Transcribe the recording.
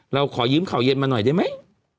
เราขอยืมข่าวเย็นมาหน่อยได้ไหม